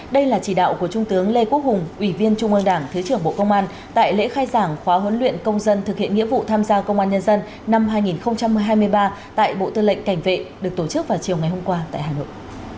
đây là chỉ đạo của trung tướng lê quốc hùng ủy viên trung ương đảng thứ trưởng bộ công an tại lễ khai giảng khóa huấn luyện công dân thực hiện nghĩa vụ tham gia công an nhân dân năm hai nghìn hai mươi ba tại bộ tư lệnh cảnh vệ được tổ chức vào chiều ngày hôm qua tại hà nội